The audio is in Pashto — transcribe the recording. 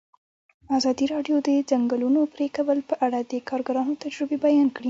ازادي راډیو د د ځنګلونو پرېکول په اړه د کارګرانو تجربې بیان کړي.